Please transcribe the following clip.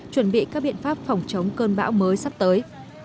chuẩn bị các biện pháp phòng chống cơn bão mới sắp tới